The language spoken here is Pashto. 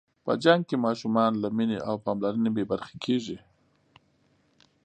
په جنګ کې ماشومان له مینې او پاملرنې بې برخې کېږي.